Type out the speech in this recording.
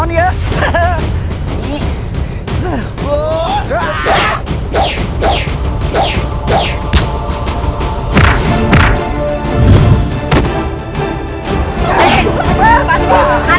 mari kita beban